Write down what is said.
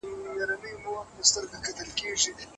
که موږ د هغوی اخلاق خپاره کړو، نو نړۍ به رڼا شي.